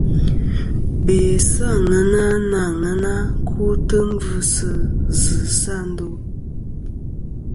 Be sɨ àŋena na aŋena kutɨ ngvɨsɨ zɨsɨ a ndo.